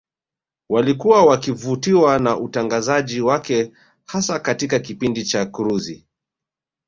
Walikuwa wakivutiwa na utangaziji wake hasa katika kipindi cha kruzi